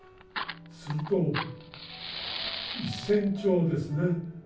すると１，０００兆ですね。